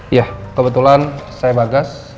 iya kebetulan saya bagas